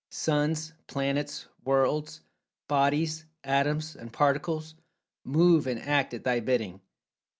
Suns, planets, worlds, bodies, atoms, and particles, move, and act at thy bidding.